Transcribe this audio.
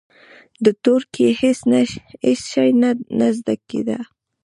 د تورکي هېڅ شى نه زده کېده.